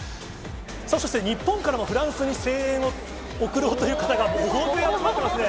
そして日本からもフランスに声援を送ろうという方が、大勢集まってますね。